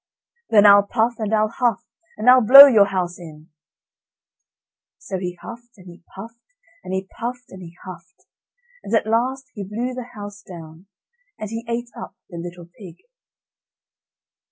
"Then I'll puff, and I'll huff, and I'll blow your house in." So he huffed, and he puffed, and he puffed, and he huffed, and at last he blew the house down, and he ate up the little pig.